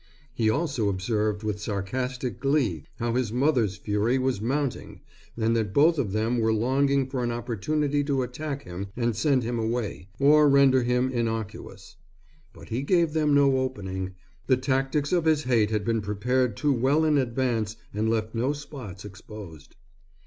He also observed with sarcastic glee how his mother's fury was mounting and that both of them were longing for an opportunity to attack him and send him away, or render him innocuous. But he gave them no opening, the tactics of his hate had been prepared too well in advance and left no spots exposed.